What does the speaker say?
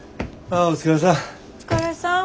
ああお疲れさん。